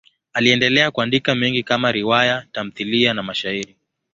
Aliendelea kuandika mengi kama riwaya, tamthiliya na mashairi.